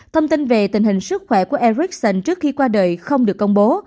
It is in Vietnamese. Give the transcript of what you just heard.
thông tin về tình hình sức khỏe của ericsson trước khi qua đời không được công bố